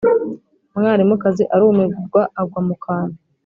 mwalimukazi arumirwa agwa mu kantu!